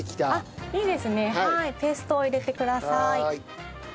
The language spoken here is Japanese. はい。